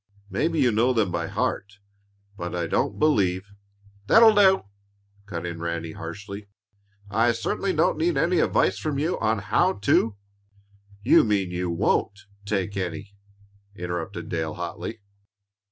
Maybe you know them by heart, but I don't believe " "That'll do!" cut in Ranny, harshly. "I certainly don't need any advice from you on how to " "You mean you won't take any," interrupted Dale, hotly.